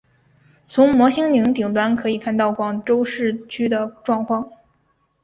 从摩星岭顶端可以看到广州市区的状况。